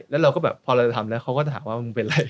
แล้วเราก็แบบพอเราจะทำแล้วเขาก็ถามว่ามึงเป็นอะไร